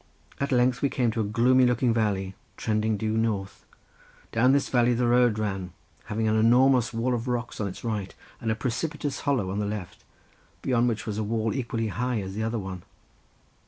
At length we came to a gloomy looking valley trending due north; down this valley the road ran having an enormous wall of rocks on its right and a precipitous hollow on the left, beyond which was a wall equally high as the other one.